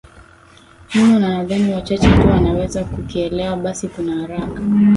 mno na nadhani wachache tu wanaweza kukielewa basi kuna haraka